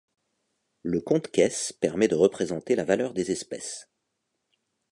Le compte caisse permet de représenter la valeur des espèces.